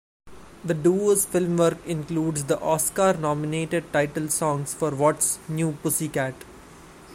The duo's film work includes the Oscar-nominated title songs for What's New Pussycat?